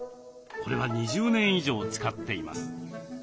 これは２０年以上使っています。